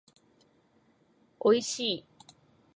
おいしい